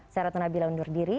saya ratna bila undur diri